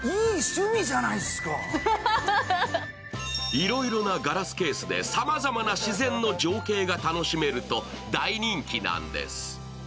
いろいろなガラスケースでさまざまな自然の情景が楽しめると大人気なんです。